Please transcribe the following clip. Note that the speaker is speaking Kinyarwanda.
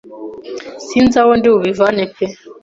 Sinzi aho ndi bubivane pe